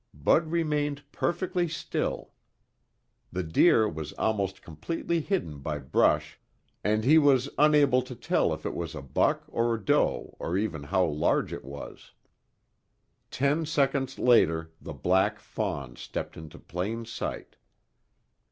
Bud remained perfectly still. The deer was almost completely hidden by brush and he was unable to tell if it was a buck or doe or even how large it was. Ten seconds later the black fawn stepped into plain sight.